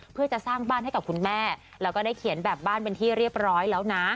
เพื่อจะสร้างบ้านให้กับคุณแม่แล้วก็ได้เขียนแบบบ้านเป็นที่เรียบร้อยแล้วนะ